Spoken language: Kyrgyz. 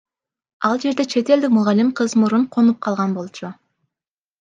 Ал жерде чет элдик мугалим кыз мурун конуп калган болчу.